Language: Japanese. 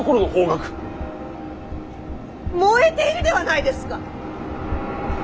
燃えているではないですか！